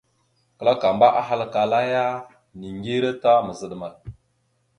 Kǝlakamba ahalǝkala ya: « Niŋgire ta mazaɗ amay? ».